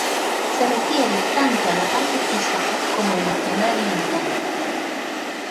Se refiere tanto a la parte física como emocional y mental.